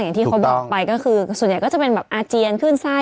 ที่เขาบอกไปก็คือส่วนใหญ่ก็จะเป็นแบบอาเจียนขึ้นไส้